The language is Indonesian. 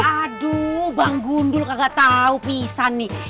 aduh bang gundul kagak tahu pisang nih